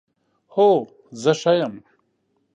هو، زه ښه یم